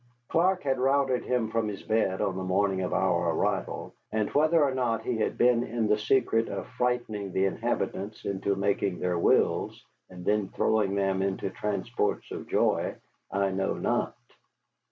Clark had routed him from his bed on the morning of our arrival, and whether or not he had been in the secret of frightening the inhabitants into making their wills, and then throwing them into transports of joy, I know not.